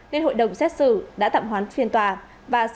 nên hội đồng xét xử đã tạm hoán phiên tòa và sẽ mở lại sau